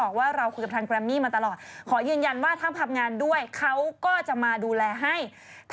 ข่าวอะไรเหรอมาเดี๋ยวดราม่าของคุณมาเดี๋ยว